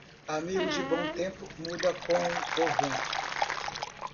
Amigo de bom tempo muda com o vento.